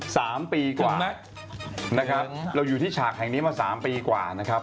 สามปีกว่าไหมนะครับเราอยู่ที่ฉากแห่งนี้มาสามปีกว่านะครับ